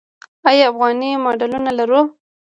آیا افغاني ماډلونه لرو؟